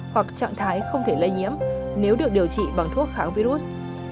hoặc trạng thái không thể lây nhiễm nếu được điều trị bằng thuốc kháng virus